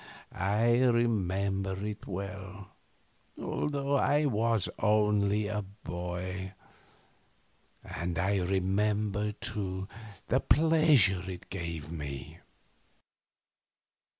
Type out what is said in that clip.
I remember it well, although I was only a boy; and I remember, too, the pleasure it gave me.